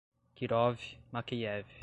Kirov, Makeyev